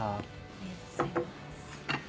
ありがとうございます。